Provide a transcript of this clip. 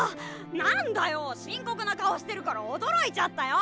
何だよ深刻な顔してるから驚いちゃったよ。